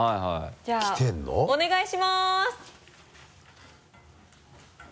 じゃあお願いします。